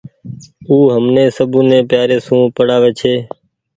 او همني سبوني پيآري سون پڙآوي ڇي۔